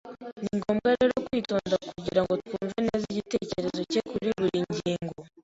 Ni ngombwa rero kwitonda kugira ngo twumve neza igitekerezo cye kuri buri ngingo.